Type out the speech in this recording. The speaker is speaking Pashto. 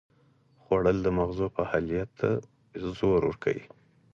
خوړل د مغزو فعالیت ته زور ورکوي